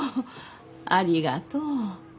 ありがとう。